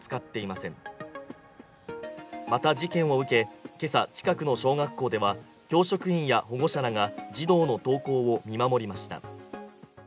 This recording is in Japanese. また、事件を受け、今朝、近くの小学校では教職員や保護者らが児童の登校を見守りました。